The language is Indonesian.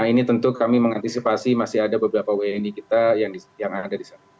nah ini tentu kami mengantisipasi masih ada beberapa wni kita yang ada di sana